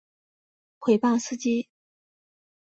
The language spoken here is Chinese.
毁谤司机